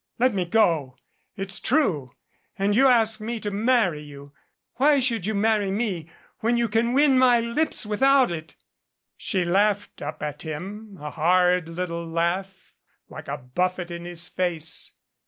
"Let me go. It's true. And you ask me to marry you. Why should you marry me when you can win my lips without it?" She laughed up at him, a hard little laugh, like a buffet in his face.